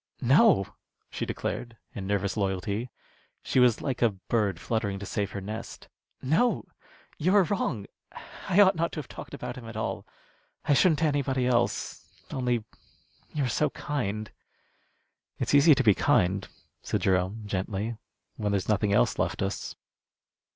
"No," she declared, in nervous loyalty. She was like a bird fluttering to save her nest. "No! You are wrong. I ought not to have talked about him at all. I shouldn't to anybody else. Only, you are so kind." "It's easy to be kind," said Jerome, gently, "when there's nothing else left us."